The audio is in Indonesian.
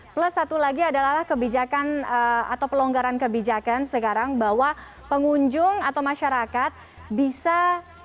plus satu lagi adalah kebijakan atau pelonggaran kebijakan sekarang bahwa pengunjung atau masyarakat bisa